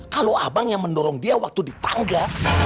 kalau abang yang mendorong dia waktu di tangga